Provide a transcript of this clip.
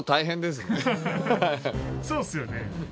そうですよね。